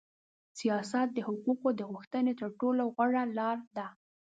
سیاست د حقوقو د غوښتنې تر ټولو غوړه لار ده.